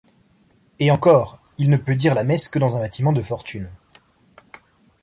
Et encore, il ne peut dire la messe que dans un bâtiment de fortune.